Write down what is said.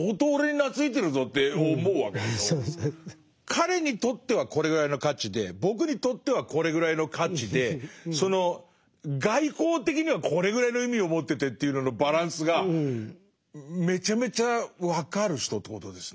彼にとってはこれぐらいの価値で僕にとってはこれぐらいの価値でその外交的にはこれぐらいの意味を持っててというののバランスがめちゃめちゃ分かる人ということですね。